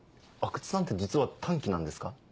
阿久津さんて実は短気なんですか？